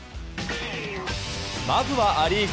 まずはア・リーグ。